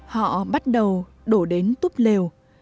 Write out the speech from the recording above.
họ bắt đầu đổ đến túp lều